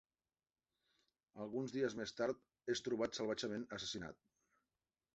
Alguns dies més tard, és trobat salvatgement assassinat.